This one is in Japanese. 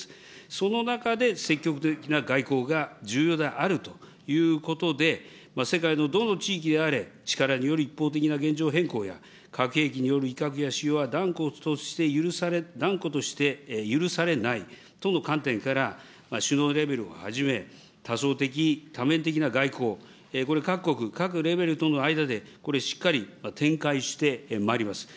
その中で積極的な外交が重要であるということで、世界のどの地域であれ、力による一方的な現状変更や、核兵器による威嚇や使用は断固として許されないとの観点から、首脳レベルをはじめ、多層的、多面的な外交、これ、各国、各レベルとの間でこれ、しっかり展開してまいります。